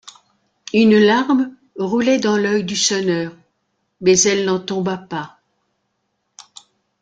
Une larme roulait dans l’œil du sonneur, mais elle n’en tomba pas.